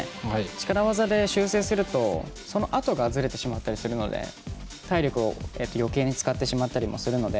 力技で修正するとそのあとがずれてしまうので体力を、よけいに使ってしまったりもするので